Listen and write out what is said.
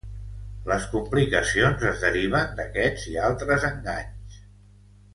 Les complicacions es deriven d'aquests i altres enganys.